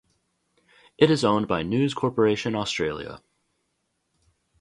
It is owned by News Corporation Australia.